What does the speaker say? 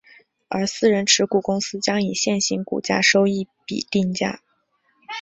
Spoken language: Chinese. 而私人持股公司将以现行股价收益比定价。